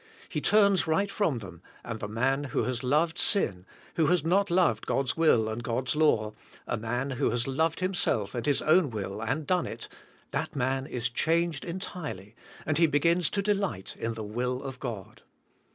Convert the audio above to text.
He turns right from them, and the man who has loved sin, who has not loved God's will and God's law, a man who has loved himself and his own will and done it, that man is chang^ed entirely, and he begins to delight in the will of God.